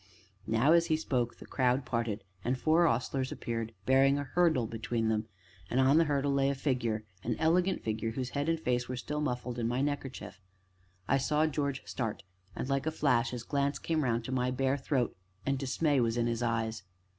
Now, as he spoke, the crowd parted, and four ostlers appeared, bearing a hurdle between them, and on the hurdle lay a figure, an elegant figure whose head and face were still muffled in my neckerchief. I saw George start, and, like a flash, his glance came round to my bare throat, and dismay was in his eyes.